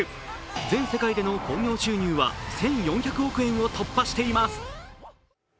全世界での興行収入は１４００億円を突破しています。